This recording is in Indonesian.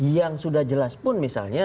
yang sudah jelas pun misalnya